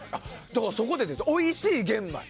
だからそこで、おいしい玄米を。